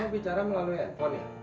bicara melalui handphone ya